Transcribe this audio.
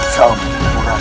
saya akan menang